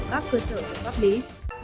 các cơ sở pháp lý